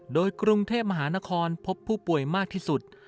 โดยกรุงเทพมหานครพบผู้ป่วยมากที่สุด